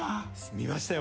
見ましたよ。